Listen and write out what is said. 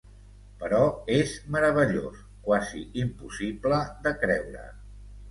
Però és meravellós, quasi impossible de creure.